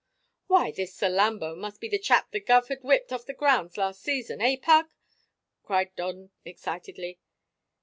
"Why, this Salambo must be the chap the guv had whipped off the grounds last season, eh, Pug?" cried Don excitedly.